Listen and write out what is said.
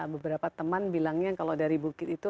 beberapa teman bilangnya kalau dari bukit itu